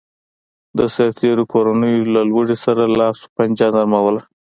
د سرتېرو کورنیو له لوږې سره لاس و پنجه نرموله